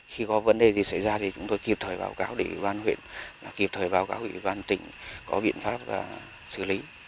khi có vấn đề gì xảy ra thì chúng tôi kịp thời báo cáo để ủy ban huyện là kịp thời báo cáo ủy ban tỉnh có biện pháp xử lý